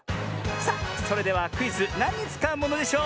さあそれではクイズ「なんにつかうものでショー」